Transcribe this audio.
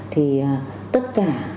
thì tất cả